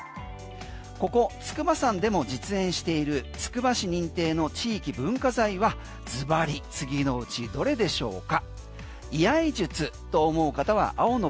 ここ筑波山でも実演しているつくば市認定の地域文化財はずばり次のうちどれでしょうか？